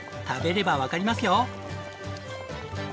食べればわかりますよ。